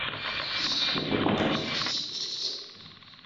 Ubwo nari mu mubabaro nambaje Uwiteka